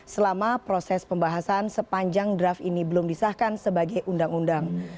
selama proses pembahasan sepanjang draft ini belum disahkan sebagai undang undang